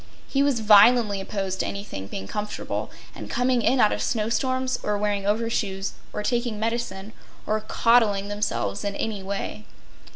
He was violently opposed to anybody being comfortable, and coming in out of snow storms, or wearing overshoes, or taking medicine, or coddling themselves in any way.